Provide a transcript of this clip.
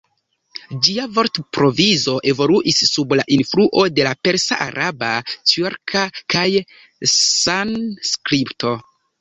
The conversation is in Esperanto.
Ĝia vortprovizo evoluis sub la influo de la persa, araba, tjurka kaj sanskrito.